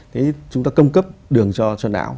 thì chúng ta cung cấp đường cho não